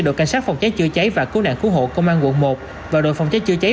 đội cảnh sát phòng cháy chữa cháy và cứu nạn cứu hộ công an quận một và đội phòng cháy chữa cháy